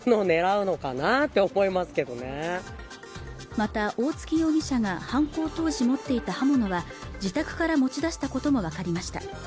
また大槻容疑者が犯行当時持っていた刃物は自宅から持ち出したことも分かりました